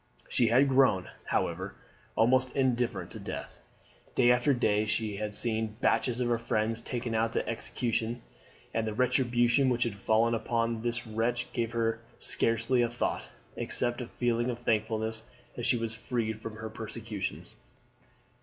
She had grown, however, almost indifferent to death. Day after day she had seen batches of her friends taken out to execution, and the retribution which had fallen upon this wretch gave her scarcely a thought, except a feeling of thankfulness that she was freed from his persecutions.